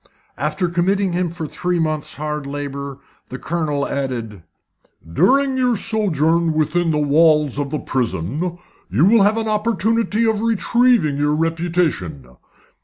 After committing him for three months' hard labour, the Colonel added "During your sojourn within the walls of a prison you will have an opportunity of retrieving your reputation.